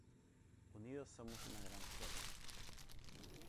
Unidos somos una gran fuerza.